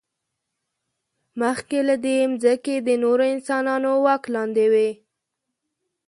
مخکې له دې، ځمکې د نورو انسانانو واک لاندې وې.